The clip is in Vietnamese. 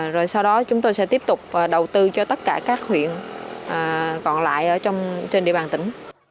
rồi sau đó chúng tôi sẽ tiếp tục đầu tư cho tất cả các huyện còn lại trên địa bàn tỉnh